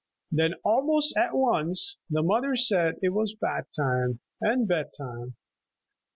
Then almost at once the mother said it was bath time and bed time.